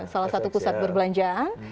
salah satu pusat berbelanjaan